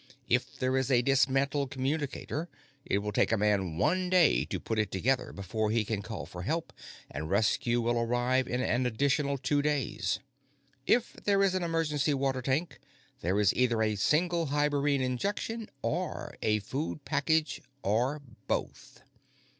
If there is a dismantled communicator, it will take the man one day to put it together before he can call for help, and rescue will arrive in an additional two days. "If there is an emergency water tank, there is either a single hibernine injection or a food package or both.